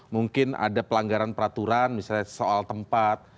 mungkin ada pelanggaran peraturan misalnya soal tempat